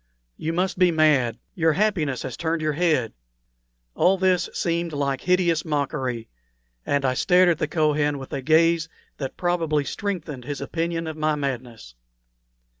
You must be mad; your happiness has turned your head." All this seemed like hideous mockery, and I stared at the Kohen with a gaze that probably strengthened his opinion of my madness.